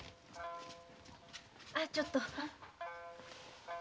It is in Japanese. あちょっと。